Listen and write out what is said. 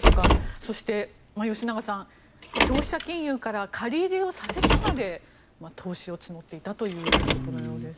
そして、吉永さん消費者金融から借り入れさせてまで投資を募っていたということのようです。